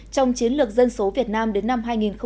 trong chiến lược dân số việt nam đến năm hai nghìn ba mươi